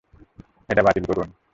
এটা বাতিল করুন।